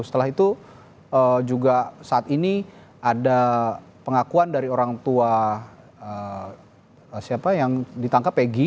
setelah itu juga saat ini ada pengakuan dari orang tua siapa yang ditangkap egy